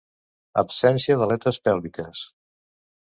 Absència d'aletes pèlviques.